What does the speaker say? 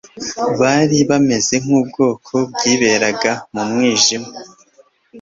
Bari bameze nk'ubwoko bwiberaga mu mwijima,